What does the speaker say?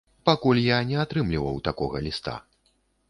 Пакуль я не атрымліваў такога ліста.